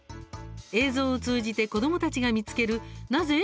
映像を通じて子どもたちが見つける「なぜ？」